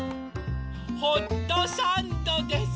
ホットサンドです！